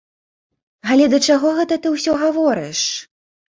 Але да чаго гэта ты ўсё гаворыш?!